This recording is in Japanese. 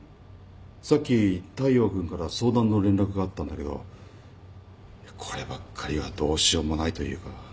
さっき大陽君から相談の連絡があったんだけどこればっかりはどうしようもないというか。